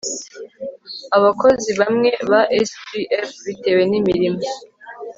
Abakozi bamwe ba SGF bitewe n imirimo